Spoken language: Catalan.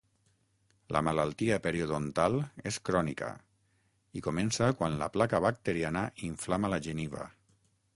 La malaltia periodontal és crònica i comença quan la placa bacteriana inflama la geniva.